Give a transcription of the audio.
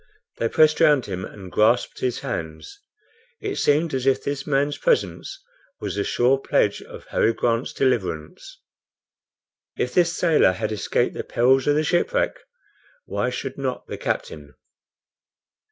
They pressed round him and grasped his hands. It seemed as if this man's presence was the sure pledge of Harry Grant's deliverance. If this sailor had escaped the perils of the shipwreck, why should not the captain?